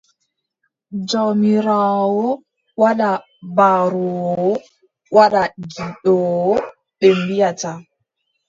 Jawmiraawo wadda baroowo, wadda gidoowo, ɓe mbiʼata.